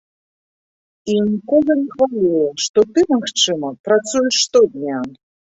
І нікога не хвалюе, што ты, магчыма, працуеш штодня.